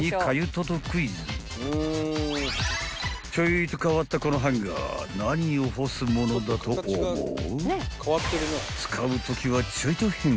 ［ちょいと変わったこのハンガー何を干すものだと思う？］